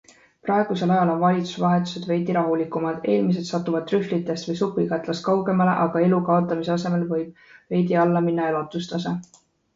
Praegusel ajal on valitsusevahetused veidi rahulikumad, eelmised satuvad trühvlitest või supikatlast kaugemale, aga elu kaotamise asemel võib veidi alla minna elatustase.